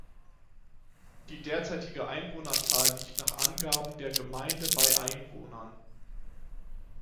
Die derzeitige Einwohnerzahl liegt nach Angaben der Gemeinde bei Einwohnern.